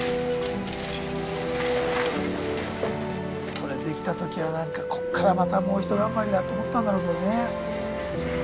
これできたときはなんかここからまたもうひと頑張りだって思ったんだろうけどね。